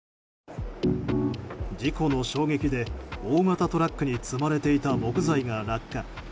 事故の衝撃で大型トラックに積まれていた木材が落下。